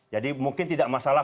jadi mungkin tidak masalah